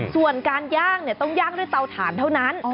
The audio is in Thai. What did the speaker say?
ส่วนการย่างต้องย่างด้วยเตาถ่านเท่านั้น